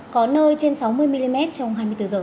có nơi trên sáu mươi mm trong hai mươi bốn h